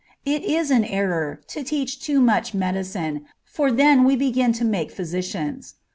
It is an error to teach too much medicine, for then we begin to make physicians.